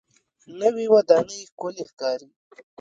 نوې ودانۍ ښکلې ښکاري